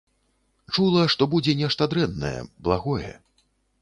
Чула, што будзе нешта дрэннае, благое.